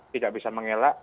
tidak bisa mengelak